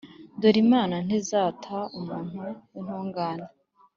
“dore imana ntizata umuntu w’intungane,